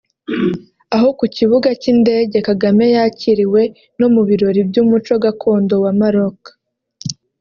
Aho ku kibuga cy’indege Kagame yakiriwe no mu birori by’umuco gakondo wa Maroc